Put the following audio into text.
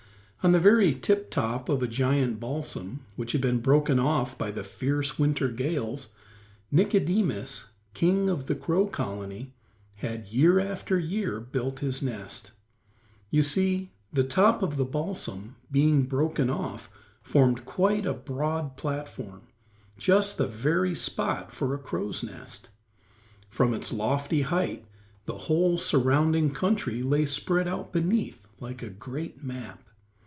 On the very tip top of a giant balsam, which had been broken off by the fierce winter gales, Nicodemus, king of the Crow Colony, had, year after year, built his nest. You see, the top of the balsam, being broken off, formed quite a broad platform, just the very spot for a crow's nest. From its lofty height the whole surrounding country lay spread out beneath like a great map.